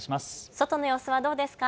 外の様子はどうですか。